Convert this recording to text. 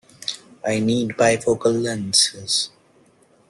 I need bifocal lenses.